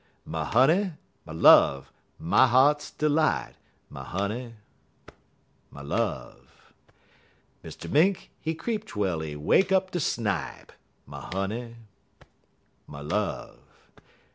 My honey, my love, my heart's delight My honey, my love!_ _Mister Mink, he creep twel he wake up de snipe, My honey, my love!